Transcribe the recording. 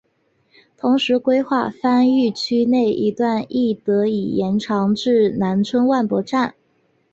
同时规划番禺区内一段亦得以延长至南村万博站。